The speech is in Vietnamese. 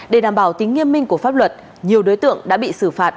để đảm bảo tính nghiêm minh của pháp luật nhiều đối tượng đã bị xử phạt